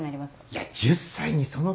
いや１０歳にその金額は。